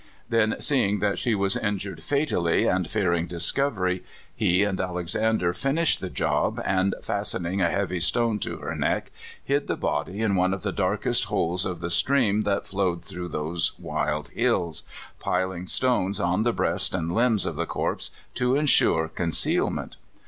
Then, seeing that she was injured fatally, and fearing discover}^ he and Alexander finished the job and, fastening a heavy stone to her neck, hid the body in one of the darkest holes of the stream that flowed through those wild hills, piling stones on the breast and hmbs of the corpse to insure con cealment.